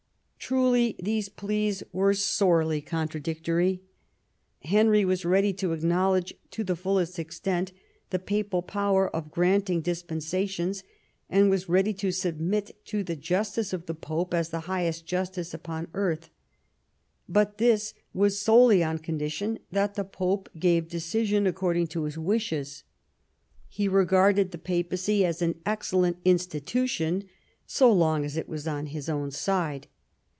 Truly these pleas were sorely contradictory. Henry was ready to acknowledge to the fullest extent the papal power of granting dispensations, and was ready to sub mit to the justice of the Pope as the highest justice upon earth. But this was solely on condition that the Pope gave decision according to his wishes. He regarded the Papacy as an excellent institution so long as it was on his own side.